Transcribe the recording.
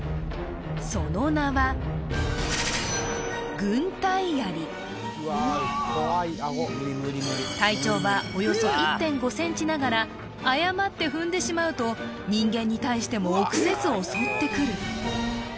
その名は体長はおよそ１．５ｃｍながら誤って踏んでしまうと人間に対しても臆せず襲ってくる